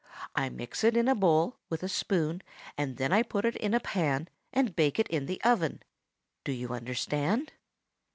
I mix it in a bowl, with a spoon, and then I put it in a pan, and bake it in the oven. Do you understand?"